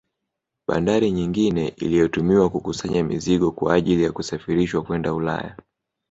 Babdari nyingine iliyotumiwa kukusanya mizigo kwa ajili ya kusafirishwa kwenda Ulaya